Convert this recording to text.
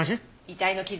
遺体の傷。